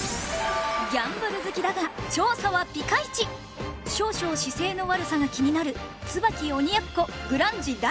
ギャンブル好きだが調査はピカイチ少々姿勢の悪さが気になる